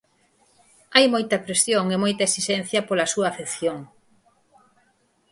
Hai moita presión e moita esixencia pola súa afección.